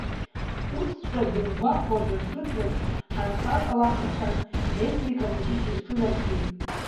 Усҵәҟьа дымгәаҟуазар, ԥыҭрак ҳанхар ҟалап, – рҳәан, Есмеи Камаҷыҷи рҿынархеит.